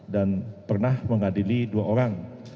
dan pernah mengadili dua orang